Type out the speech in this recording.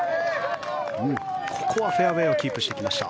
ここはフェアウェーをキープしてきました。